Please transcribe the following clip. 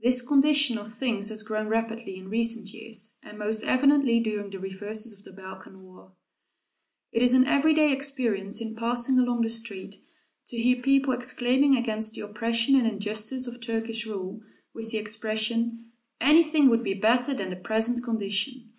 This condition of things has grown rapidly in recent years, and most evidently during the reverses of the Balkan war. It is an everyday experience, in passing along the street, to hear people exclaiming against the oppression and injustice of Turkish rule, with the expression, "Anything would be better than the present condition."